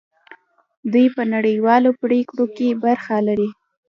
دوی په نړیوالو پریکړو کې برخه لري.